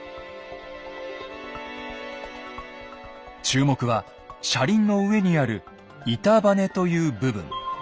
注目は車輪の上にある「板バネ」という部分。